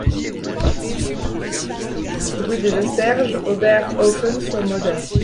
Rue des Asperges, Oberhoffen-sur-Moder